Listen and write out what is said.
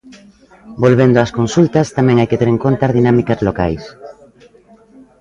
Volvendo ás consultas, tamén hai que ter en conta dinámicas locais.